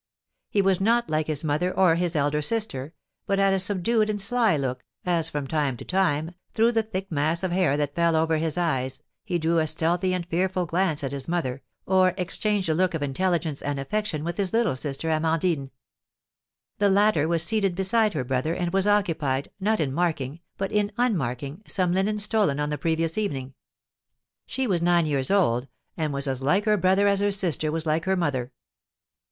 He was not like his mother or his elder sister, but had a subdued and sly look, as from time to time, through the thick mass of hair that fell over his eyes, he threw a stealthy and fearful glance at his mother, or exchanged a look of intelligence and affection with his little sister, Amandine. The latter was seated beside her brother, and was occupied, not in marking, but in unmarking, some linen stolen on the previous evening. She was nine years old, and was as like her brother as her sister was like her mother.